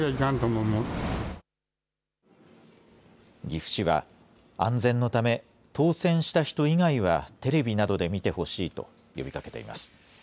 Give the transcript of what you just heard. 岐阜市は、安全のため、当せんした人以外はテレビなどで見てほしいと呼びかけています。